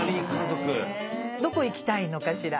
どこ行きたいのかしら？